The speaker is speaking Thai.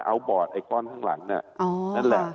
เอาบอร์ดไอ้ก้อนข้างหลังนั่นแหละ